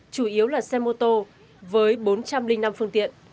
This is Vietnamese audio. chủ yếu là xe mô tô với bốn trăm linh năm phương tiện